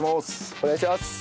お願いします。